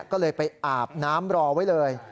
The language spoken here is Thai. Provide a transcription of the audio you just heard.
ก็เลยไปอาบน้ำรอไว้เลย